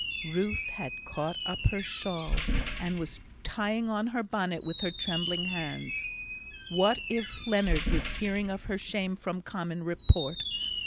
Ruth had caught up her shawl, and was tying on her bonnet with her trembling hands. What if Leonard was hearing of her shame from common report?